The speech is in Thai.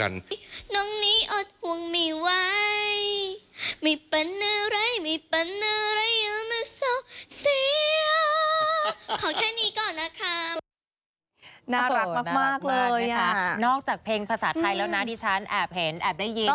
นอกจากเพลงภาษาไทยแล้วนาทิชชันแอบเห็นแอบได้ยิน